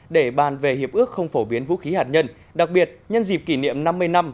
để bàn về hiệp ước không phổ biến vũ khí hạt nhân đặc biệt nhân dịp kỷ niệm năm mươi năm